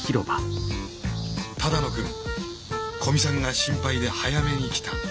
只野くん古見さんが心配で早めに来た。